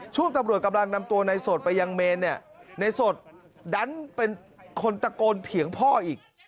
ช่วงตำรวจกำลังนำตัวในโสดไปยังเมนเนี่ยในสดดันเป็นคนตะโกนเถียงพ่ออีก